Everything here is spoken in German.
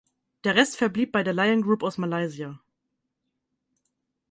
Der Rest verblieb bei der Lion Group aus Malaysia.